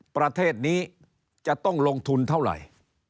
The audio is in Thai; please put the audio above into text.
ประเทศนี้จะต้องลงทุนเท่าไหร่